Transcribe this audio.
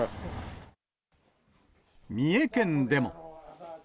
三重県でも。